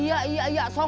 ya nggak ada beneran